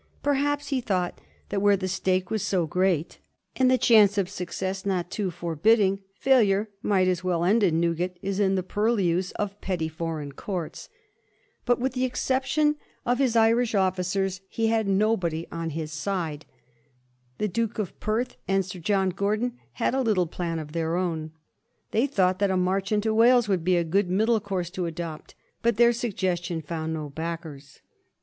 Perhaps he thought that where the stake was so great, and the chance of success not too forbidding, failure might as well end in Newgate as in the purlieus of petty foreign courts. But, with the exception of his 1746, THE DUKE OF CUMBERLAND. 223 Irish officers, lie had nobody on his side. The Duke of Perth and Sir John Gordon had a little plan of their own. They thought that a inarch into Wales would be a good middle course to adopt, but their suggestion found no backers.